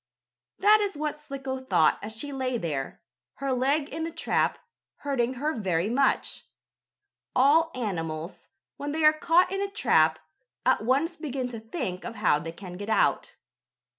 That is what Slicko thought as she lay there, her leg in the trap, hurting her very much. All animals, when they are caught in a trap, at once begin to think of how they can get out.